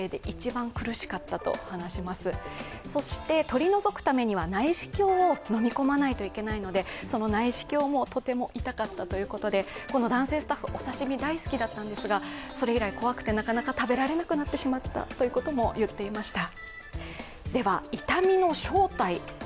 取り除くためには内視鏡をのみ込まないといけないのでその内視鏡もとても痛かったということで、この男性スタッフ、お刺身が大好きだったんですが、それ以来、怖くてなかなか食べられなくなってしまったということも言っていました。